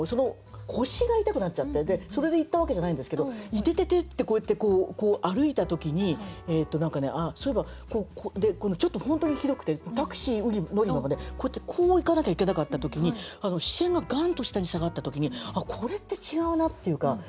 腰が痛くなっちゃってそれで行ったわけじゃないんですけどイテテテってこうやって歩いた時に本当にひどくてタクシー乗り場までこうやってこう行かなきゃいけなかった時に視線がガンと下に下がった時にあっこれって違うなっていうか。